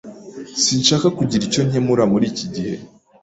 Sinshaka kugira icyo nkemura muri iki gihe.